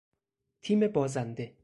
تیم بازنده